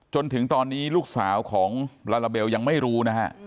จนถึงตอนนี้ลูกสาวของลาลาเบลยังไม่รู้นะฮะ